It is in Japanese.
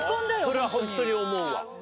それはホントに思うわ。